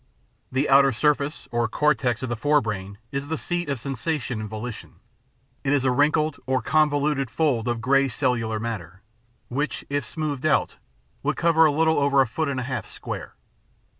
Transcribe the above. The outer surface or cortex of the fore brain is the seat of sensation and volition. It is a wrinkled or convoluted fold of grey cellular matter, which if smoothed out would cover a little over a foot and a half square.